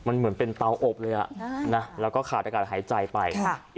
มันเหมือนเป็นเตาอบเลยอ่ะนะแล้วก็ขาดอากาศหายใจไป